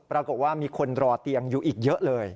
ปรากฏว่ามีคนรอเตียงอยู่อีกเยอะเลย